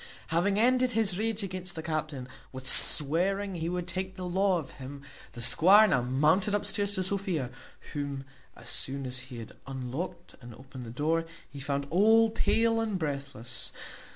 Having ended his rage against the captain, with swearing he would take the law of him, the squire now mounted upstairs to Sophia, whom, as soon as he had unlocked and opened the door, he found all pale and breathless.